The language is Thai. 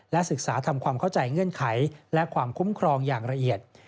ศึกษาทำความเข้าใจเงื่อนไขและความคุ้มครองอย่างละเอียด